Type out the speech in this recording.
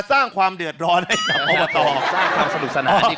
จับไว้ดีจับไว้ดี